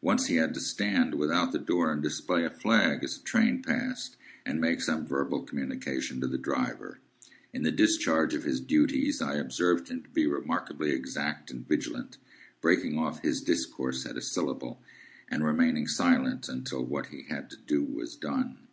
Once he had to stand without the door, and display a flag as a train passed, and make some verbal communication to the driver. In the discharge of his duties, I observed him to be remarkably exact and vigilant, breaking off his discourse at a syllable, and remaining silent until what he had to do was done.